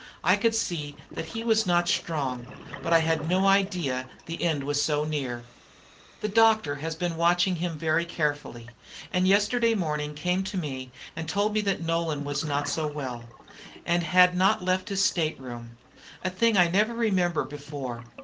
I could see that he was not strong, but I had no idea the end was so near. The doctor has been watching him very carefully, and yesterday morning came to me and told me that Nolan was not so well, and had not left his state room, a thing I never remember before.